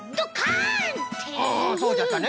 そうじゃったね。